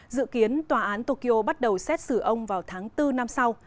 dự kiến tòa án tokyo bắt đầu xét xử ông vào tháng bốn năm sau